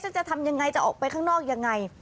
จะทำยังไงจะออกไปข้างนอกยังไง